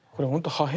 破片。